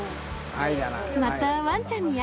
愛だな愛。